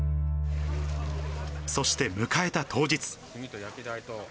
そして迎えた当日。